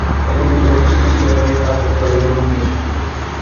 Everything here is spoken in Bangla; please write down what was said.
এখন কোথাও বসে পুঁথিপাটা নিয়ে কালক্ষেপ করাই যেন উদ্দেশ্য।